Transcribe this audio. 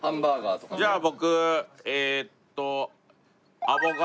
じゃあ僕えーっと。